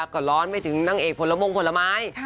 ก็ร้อนไปถึงนางเอกผลมงผลไม้